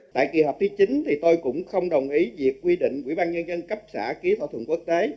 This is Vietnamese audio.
tại kỳ họp thứ chín thì tôi cũng không đồng ý việc quy định quỹ ban nhân dân cấp xã ký thỏa thuận quốc tế